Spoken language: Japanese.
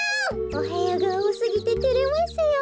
おへやがおおすぎててれますよ。